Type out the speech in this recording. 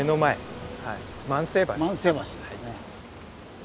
万世橋ですね。